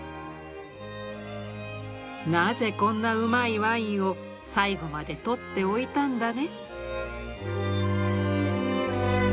「なぜこんなうまいワインを最後まで取って置いたんだね？」。